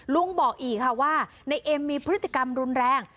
ลุงบอกอีกค่ะว่านายเอ็มมีพฤติกรรมรุนแรง